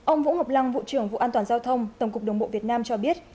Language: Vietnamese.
ông vũ ngọc lăng vụ trưởng vụ an toàn giao thông tổng cục đường bộ việt nam cho biết